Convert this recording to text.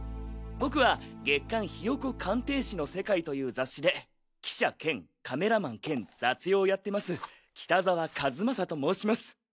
僕は『月間ひよこ鑑定士の世界』という雑誌で記者兼カメラマン兼雑用をやってます北沢一正と申します。